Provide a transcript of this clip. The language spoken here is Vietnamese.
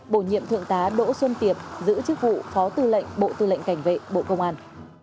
bổ nhiệm thượng tá đỗ xuân tiệp giữ chức vụ phó tư lệnh bộ tư lệnh cảnh vệ bộ công an